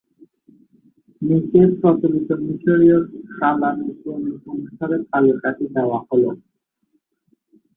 নিচে প্রচলিত মিশরীয় কালানুক্রমিক অনুসারে তালিকাটি দেওয়া হল।